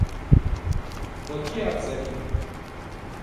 با کی حرف زدی؟